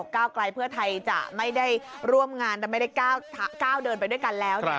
ก้าวไกลเพื่อไทยจะไม่ได้ร่วมงานแต่ไม่ได้ก้าวเดินไปด้วยกันแล้ว